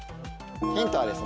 ヒントはですね